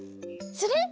する？